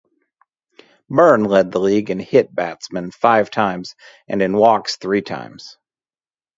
Byrne led the league in hit batsmen five times and in walks three times.